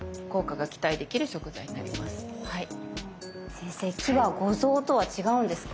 先生「気」は五臓とは違うんですか？